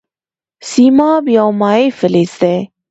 سیماب یو مایع فلز دی.